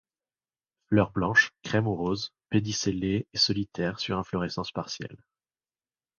Fleurs blanches, crème ou roses, pédicellées et solitaires sur inflorescences partielles.